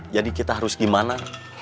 jadi kita harus gimana